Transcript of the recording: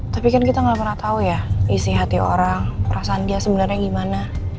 tapi kan kita gak pernah tahu ya isi hati orang perasaan dia sebenarnya gimana